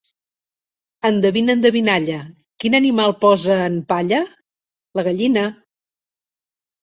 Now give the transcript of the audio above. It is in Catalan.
Endevina endevinalla, quin animal posa en palla? La gallina!